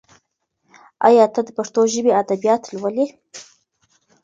ایا ته د پښتو ژبې ادبیات لولي؟